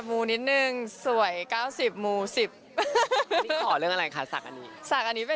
เฮ้ยหนูมาได้นะแม่